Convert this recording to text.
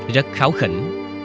rất kháu khỉnh